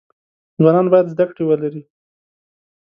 ځوانان باید زده کړی ولری